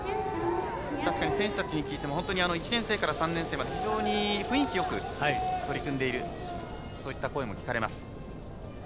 選手たちに聞いても１年生から３年生まで非常に雰囲気よく取り組んでいるそういった声も聞かれます。